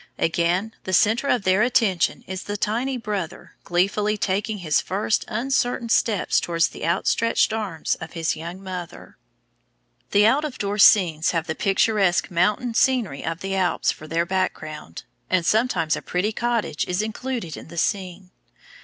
Again, the centre of their attention is the tiny brother gleefully taking his first uncertain steps towards the outstretched arms of his young mother. [Illustration: THE LITTLE RABBIT SELLER. MEYER VON BREMEN.] The out of door scenes have the picturesque mountain scenery of the Alps for their background, and sometimes a pretty cottage is included in the scene.